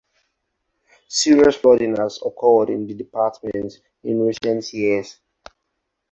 Serious flooding has occurred in the department in recent years.